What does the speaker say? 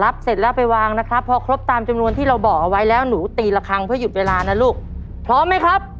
เสร็จแล้วไปวางนะครับพอครบตามจำนวนที่เราบอกเอาไว้แล้วหนูตีละครั้งเพื่อหยุดเวลานะลูกพร้อมไหมครับ